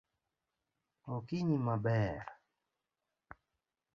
Okinyi maler